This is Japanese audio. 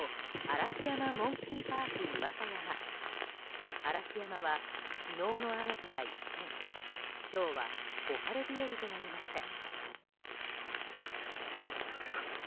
嵐山は、昨日の雨から一転今日は小春日和となりました。